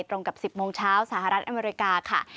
ตรงกับ๑๐โมงเช้าสหรัฐอเมริกาค่ะ